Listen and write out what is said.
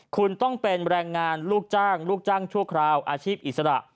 คุณต้องเป็นแรงงานลูกจ้างลูกจ้างชั่วคราวอาชีพอิสระ